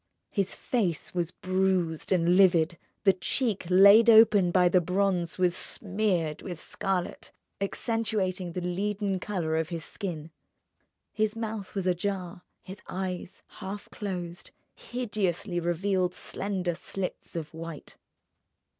His face was bruised and livid; the cheek laid open by the bronze was smeared with scarlet, accentuating the leaden colour of his skin. His mouth was ajar; his eyes, half closed, hideously revealed slender slits of white.